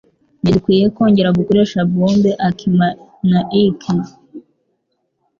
Ntidukwiye kongera gukoresha bombe aakimanaike.